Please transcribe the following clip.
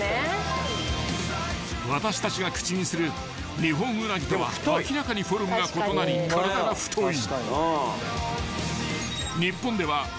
［私たちが口にするニホンウナギとは明らかにフォルムが異なり体が太い］